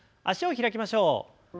脚を開きましょう。